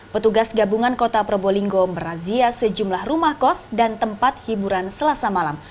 petugas gabungan kota probolinggo merazia sejumlah rumah kos dan tempat hiburan selasa malam